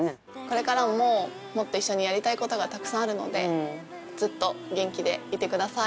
これからももっと一緒にやりたいことがたくさんあるのでずっと元気でいてください。